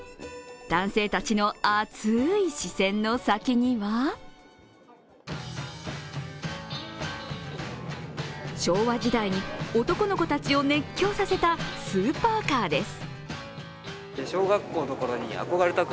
男性たちの熱い視線の先には昭和時代に男の子たちを熱狂させたスーパーカーです。